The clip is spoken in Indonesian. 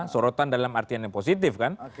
sorotan dalam artian yang positif kan